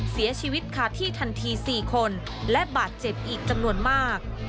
เสียชีวิตคาที่ทันที๔คนและบาดเจ็บอีกจำนวนมาก